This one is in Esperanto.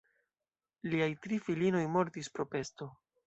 Liaj tri filinoj mortis pro pesto.